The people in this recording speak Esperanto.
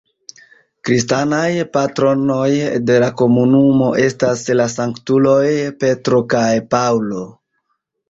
Kristanaj patronoj de la komunumo estas la sanktuloj Petro kaj Paŭlo.